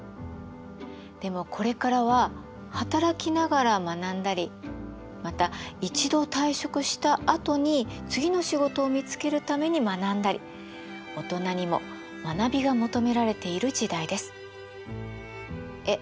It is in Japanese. でもこれからは働きながら学んだりまた一度退職したあとに次の仕事を見つけるために学んだりオトナにも学びが求められている時代です。え？